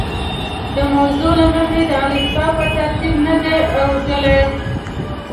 د موضوع له مخې د الفبا په ترتیب نه دي اوډلي.